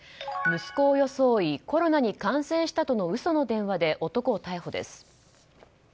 息子を装いコロナに感染したとの嘘の電話で男を逮捕です。